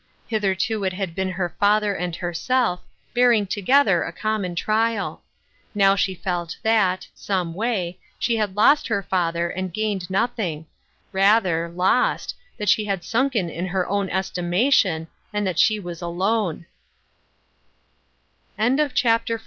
Hitherto it had been her father and herself, bearing together a common trial. Now she felt that, someway, she had lost her father, and gained nothing — rather, lost — that she had sunken in her own estimation, and that she wa*i alone I CHAPTER XV.